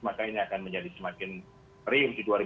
maka ini akan menjadi semakin ring di dua ribu dua puluh